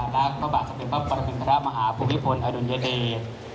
และพระบาทศัพท์พระประสมศาสตร์มหาผู้วิทธิ์ภูมิอดุลเยดีย์